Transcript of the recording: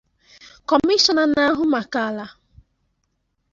Kọmishọna na-ahụ maka ala